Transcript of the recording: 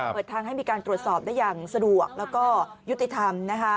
เปิดทางให้มีการตรวจสอบได้อย่างสะดวกแล้วก็ยุติธรรมนะคะ